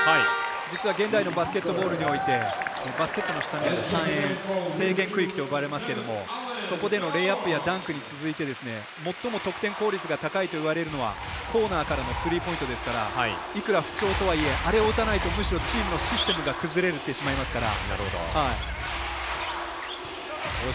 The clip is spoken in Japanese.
実は現代のバスケットボールにおいてバスケットの下半円、制限区域といわれますが最も得点効率が高いといわれるのがコーナーからのスリーポイントですからいくら不調とはいえあれを打たないとむしろチームのシステムが崩れてしまいますから。